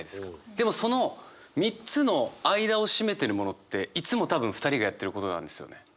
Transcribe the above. でもその３つの間を占めてるものっていつも多分２人がやってることなんですよね。